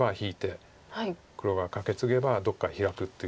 黒がカケツゲばどっかヒラくという。